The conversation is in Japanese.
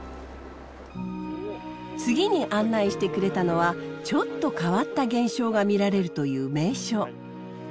次に案内してくれたのはちょっと変わった現象が見られるという名所。